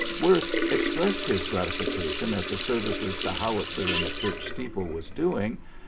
Worth "expressed his gratification at the services the howitzer in the church steeple was doing